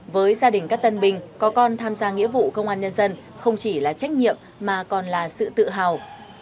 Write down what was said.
với gia đình các tân bình có con tham gia nghĩa vụ công an nhân dân không chỉ là trách nhiệm mà còn là sự tự hào